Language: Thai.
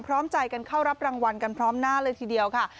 พร้อมใจกันเข้ารับรางวัลกันพร้อมหน้าเลยทีเดียวค่ะ